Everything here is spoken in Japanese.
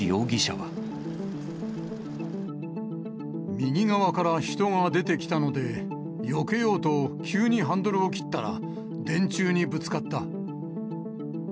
右側から人が出てきたので、よけようと急にハンドルを切ったら、電柱にぶつかった。